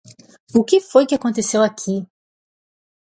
O que foi que aconteceu aqui?!